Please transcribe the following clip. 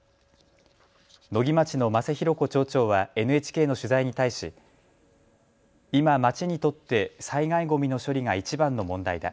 野木町の真瀬宏子町長はＮＨＫの取材に対し今、町にとって災害ごみの処理がいちばんの問題だ。